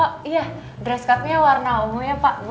oh iya dress code nya warna umurnya pak bu